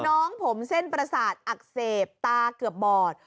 น้องผมเส้นประสาทอักเสบตาเกือบบอด